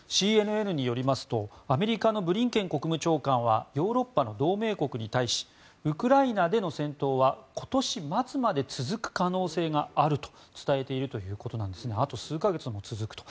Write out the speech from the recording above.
ＣＮＮによりますとアメリカのブリンケン国務長官はヨーロッパの同盟国に対しウクライナでの戦闘は今年末まで続く可能性があると伝えているということなんですがあと数か月続くと。